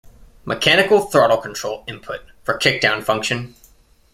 Mechanical throttle control input for kick-down function.